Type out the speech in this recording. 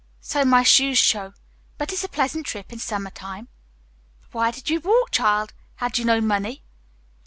"So my shoes show; but it's a pleasant trip in summer time." "But why did you walk, child! Had you no money?"